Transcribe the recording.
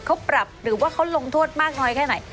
เขาปรับหรือว่าเขาลงโทษมากน้อยแค่ไหน